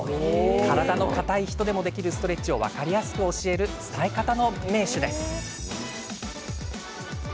体の硬い人でもできるストレッチを分かりやすく教える伝え方の名手です。